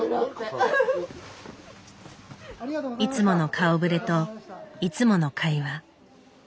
いつもの顔ぶれといつもの会話。